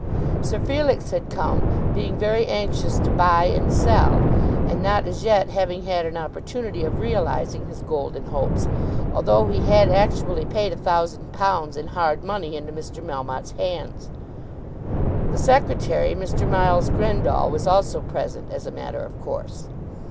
Sir Felix had come, being very anxious to buy and sell, and not as yet having had an opportunity of realising his golden hopes, although he had actually paid a thousand pounds in hard money into Mr. Melmotte's hands. The secretary, Mr. Miles Grendall, was also present as a matter of course.